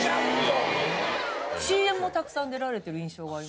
ＣＭもたくさん出られてる印象があります。